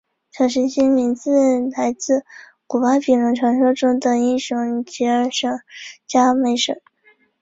小行星的名字来自古巴比伦传说中的英雄吉尔伽美什。